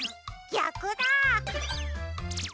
ぎゃくだ。